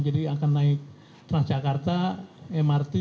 jadi akan naik transjakarta mrt